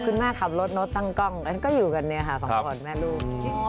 แม่ขับรถตั้งกล้องกันก็อยู่กันเนี่ยค่ะสองคนแม่ลูก